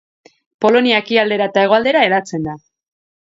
Polonia ekialdera eta hegoaldera hedatzen da.